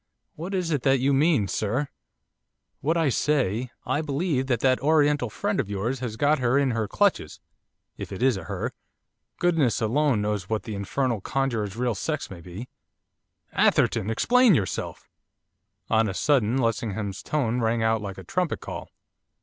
'What is it that you mean, sir?' 'What I say, I believe that that Oriental friend of yours has got her in her clutches, if it is a "her;" goodness alone knows what the infernal conjurer's real sex may be.' 'Atherton! Explain yourself!' On a sudden Lessingham's tones rang out like a trumpet call.